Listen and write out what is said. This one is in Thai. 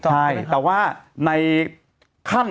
ใช่แต่ว่าในขั้น